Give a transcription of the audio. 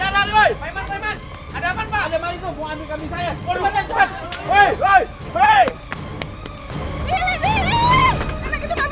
lihatlah ada penjara